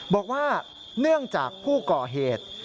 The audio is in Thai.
บอกว่าเนื่องจากผู้ก่อเหตุ